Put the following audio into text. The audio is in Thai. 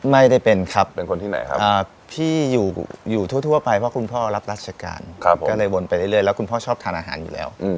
ไม่ได้เป็นครับเป็นคนที่ไหนครับพี่อยู่ทั่วไปเพราะคุณพ่อรับราชการก็เลยวนไปเรื่อยแล้วคุณพ่อชอบทานอาหารอยู่แล้ว